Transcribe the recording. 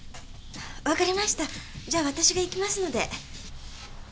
分かりましたじゃわたしが行きますので。